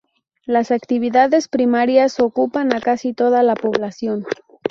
Las actividades primarias ocupan a casi toda la población.